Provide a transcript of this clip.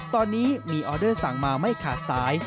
ตอนนี้มีออเดอร์สั่งมาไม่ขาดสาย